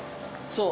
そう。